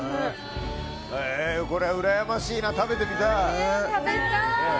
これは羨ましいな食べてみたい。